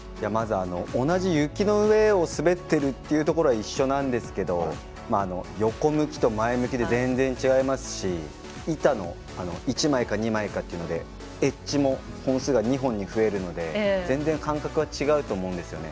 まず同じ雪の上を滑っているというところは一緒なんですが横向きと前向きで全然違いますし板の１枚か２枚かっていうのでエッジも本数が２本に増えるので全然感覚が違うと思うんです。